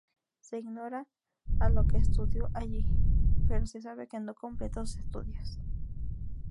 Se ignora lo que estudió allí, pero se sabe que no completó sus estudios.